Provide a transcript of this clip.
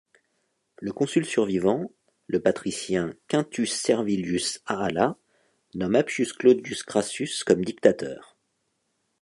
Le consul survivant, le patricien Quintus Servilius Ahala, nomme Appius Claudius Crassus comme dictateur.